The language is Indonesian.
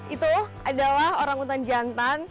itu adalah orang utan jantan